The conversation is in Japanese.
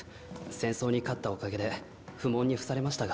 戦争に勝ったおかげで不問に付されましたが。